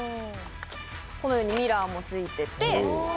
このようにミラーも付いててで。